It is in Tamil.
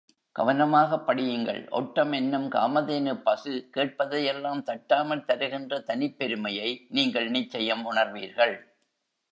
கவனமாகப் படியுங்கள், ஒட்டம் என்னும் காமதேனுப் பசு, கேட்பதையெல்லாம் தட்டாமல் தருகின்ற தனிப் பெருமையை நீங்கள் நிச்சயம் உணர்வீர்கள்!